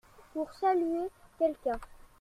Pour saluer quelqu’un.